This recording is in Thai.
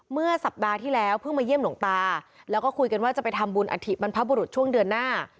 เมื่อสัปดาห์ที่แล้วเพิ่งมาเยี่ยมหลวงตาแล้วก็คุยกันว่าจะไปทำบุญอธิบรรพบุรุษช่วงเดือนหน้า